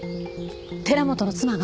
寺本の妻が？